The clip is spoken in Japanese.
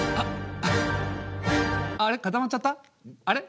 あれ？